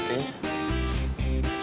eh si neng itu